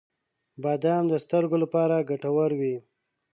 • بادام د سترګو لپاره ګټور وي.